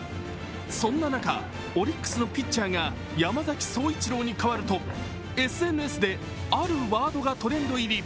そんな中、オリックスのピッチャーが山崎颯一郎に代わるとＳＮＳで、あるワードがトレンド入り。